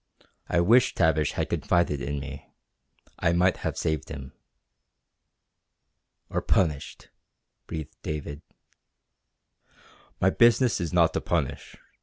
I wish Tavish had confided in me, I might have saved him." "Or punished," breathed David. "My business is not to punish.